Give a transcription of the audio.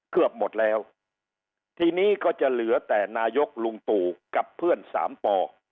เกือบหมดแล้วทีนี้ก็จะเหลือแต่นายกลุงตู่กับเพื่อนสามปอ